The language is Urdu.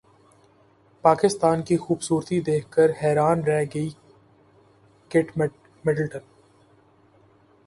پاکستان کی خوبصورتی دیکھ کر حیران رہ گئی کیٹ مڈلٹن